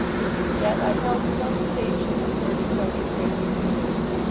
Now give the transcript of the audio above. Yet I held some station at Murdstone and Grinby's too.